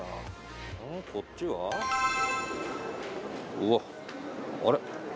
うわ！あれ？